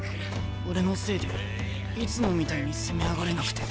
俺のせいでいつもみたいに攻め上がれなくて。